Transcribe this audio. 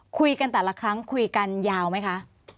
คุยกันแต่ละครั้งคุยกันยาวไหมคะ